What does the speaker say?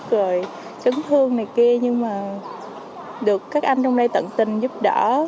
rồi chấn thương này kia nhưng mà được các anh trong đây tận tình giúp đỡ